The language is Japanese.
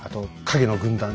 「影の軍団」